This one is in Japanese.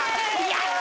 やった‼